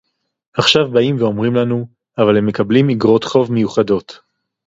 עכשיו באים ואומרים לנו: אבל הם מקבלים איגרות חוב מיוחדות